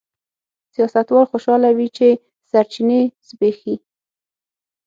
سیاستوال خوشاله وي چې سرچینې زبېښي.